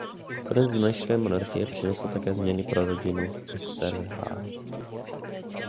Konec Dunajské monarchie přinesl také změny pro rodinu Esterházy.